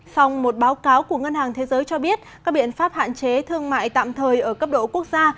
xong một báo cáo của ngân hàng thế giới cho biết các biện pháp hạn chế thương mại tạm thời ở cấp độ quốc gia